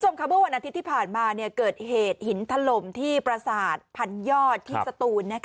วันอาทิตย์ที่ผ่านมาเกิดเหตุหินทะลมที่ประศาสตร์พันยอดที่สตูน